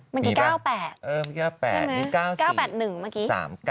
เมื่อกี้๙๘ใช่มั้ย๙๘๑เมื่อกี้